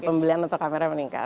pembelian atau kamera meningkat